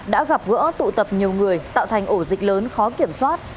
đã gặp gỡ tụ tập nhiều người tạo thành ổ dịch lớn khó kiểm soát